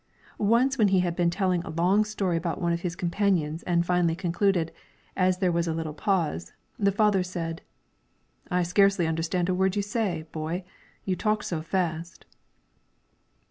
Once when he had been telling a long story about one of his companions and finally concluded, as there was a little pause, the father said, "I scarcely understand a word that you say, boy; you talk so very fast."